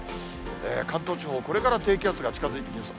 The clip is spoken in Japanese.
関東地方、これから低気圧が近づいてきます。